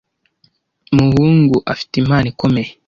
muhungu afite impano ikomeye.